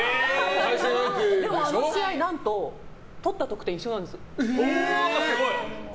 でも、あの試合何と取った得点一緒なんです。